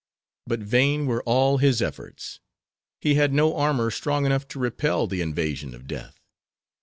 But vain were all his efforts. He had no armor strong enough to repel the invasion of death.